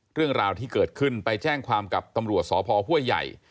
เรื่องราวที่เกิดขึ้นไปแจ้งความกับตำรวจสพห้วยใหญ่